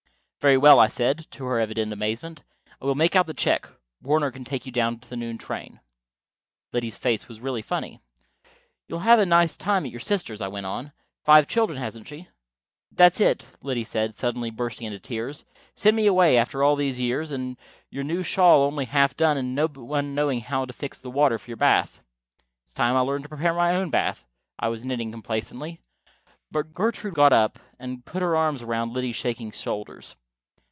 "Very well," I said, to her evident amazement. "I will make out the check. Warner can take you down to the noon train." Liddy's face was really funny. "You'll have a nice time at your sister's," I went on. "Five children, hasn't she?" "That's it," Liddy said, suddenly bursting into tears. "Send me away, after all these years, and your new shawl only half done, and nobody knowin' how to fix the water for your bath." "It's time I learned to prepare my own bath." I was knitting complacently. But Gertrude got up and put her arms around Liddy's shaking shoulders.